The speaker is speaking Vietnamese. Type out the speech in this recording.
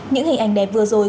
những hình ảnh đẹp vừa rồi